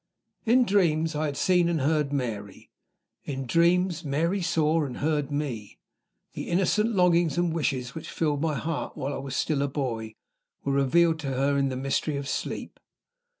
In dreams, I had seen and heard Mary. In dreams, Mary saw and heard me. The innocent longings and wishes which filled my heart while I was still a boy were revealed to her in the mystery of sleep.